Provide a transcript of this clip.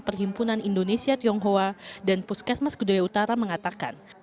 perhimpunan indonesia tionghoa dan puskesmas kedoya utara mengatakan